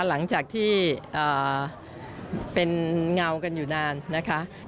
หลังจากที่เป็นเงากันอยู่นานนะคะ